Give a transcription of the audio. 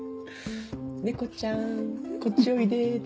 「猫ちゃんこっちおいで」。